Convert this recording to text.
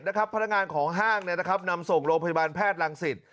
พนักงานของห้างนำส่งโรงพยาบาลแพทย์รังสิต